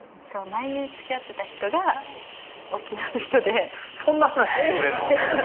前につきあってた人が沖縄の人でそんな話してくれんの？